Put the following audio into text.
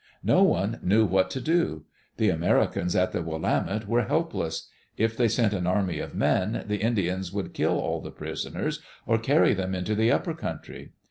No one knew what to do. The Americans at the Willa mette were helpless. If they sent an army of men, the Indians would kill all the prisoners, or carry them into the upper country.